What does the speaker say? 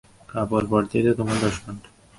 কাপড় পরতেই তো তোমার দশ ঘণ্টা।